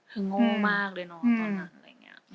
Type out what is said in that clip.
เธอโง่มากเลยเนาะตอนนั้น